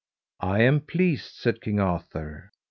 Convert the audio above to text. I am pleased, said King Arthur.